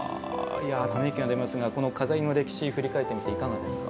いやため息が出ますがこの錺の歴史振り返ってみていかがですか？